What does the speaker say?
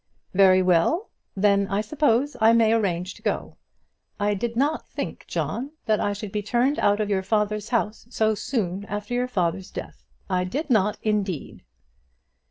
"Very well. Then I suppose I may arrange to go. I did not think, John, that I should be turned out of your father's house so soon after your father's death. I did not indeed."